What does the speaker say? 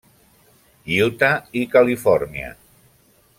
Utah i Califòrnia.